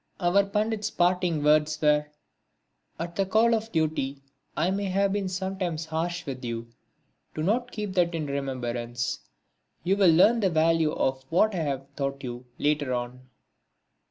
Our Pandit's parting words were: "At the call of duty I may have been sometimes harsh with you do not keep that in remembrance. You will learn the value of what I have taught you later on."